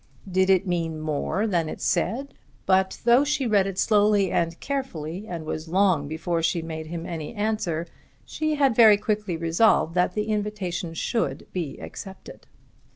Did it mean more than it said? But though she read it slowly and carefully and was long before she made him any answer, she had very quickly resolved that the invitation should be accepted.